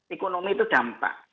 ekonomi itu dampak